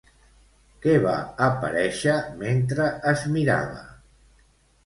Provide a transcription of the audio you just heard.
Què va aparèixer mentre es mirava?